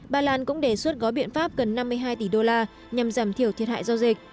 bà lan cũng đề xuất gói biện pháp gần năm mươi hai tỷ đô la nhằm giảm thiểu thiệt hại do dịch